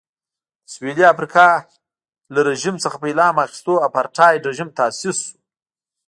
د سوېلي افریقا له رژیم څخه په الهام اخیستو اپارټایډ رژیم تاسیس شو.